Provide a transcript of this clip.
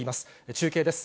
中継です。